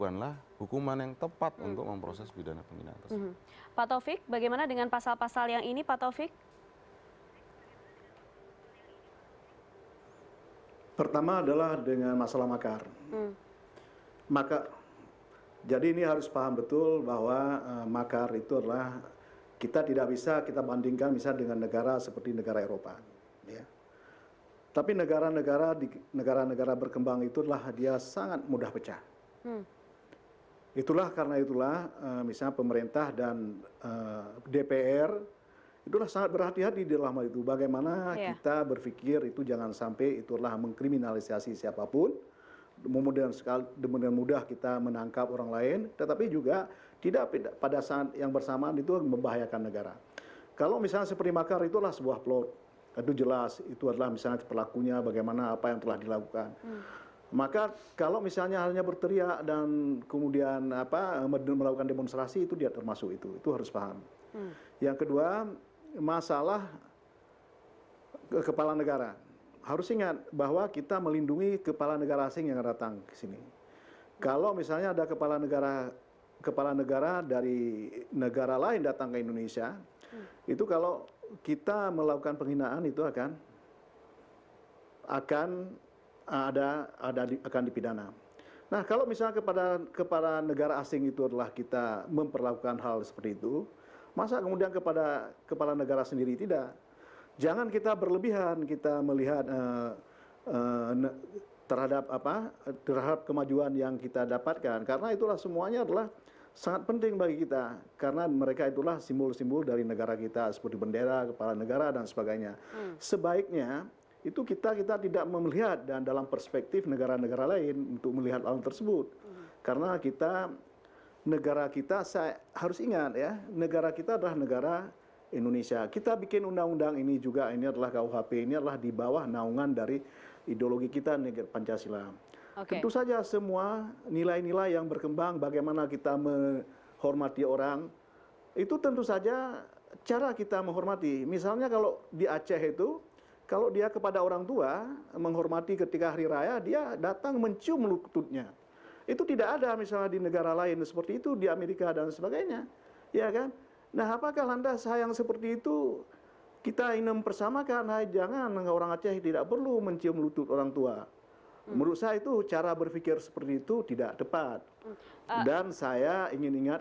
nah sekarang ini yang harus diingat ketika kita bahas ini walaupun itu draftnya tahun seribu sembilan ratus sembilan puluh satu harus diingat